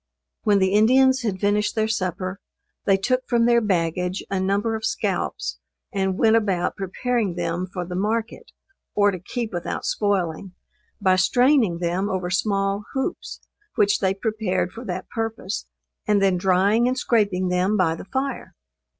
When the Indians had finished their supper they took from their baggage a number of scalps and went about preparing them for the market, or to keep without spoiling, by straining them over small hoops which they prepared for that purpose, and then drying and scraping them by the fire.